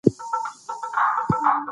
پښتو ژبه زموږ کلتوري اصالت ساتي.